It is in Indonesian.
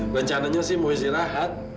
rencananya sih mau istirahat